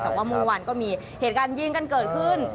แต่ว่าเมื่อวานก็มีเหตุการณ์ยิงกันเกิดขึ้น